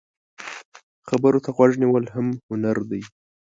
خبرو ته غوږ نیول هم هنر دی